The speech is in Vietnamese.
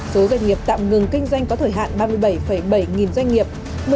số doanh nghiệp tạm ngừng kinh doanh có thời hạn ba mươi bảy bảy nghìn doanh nghiệp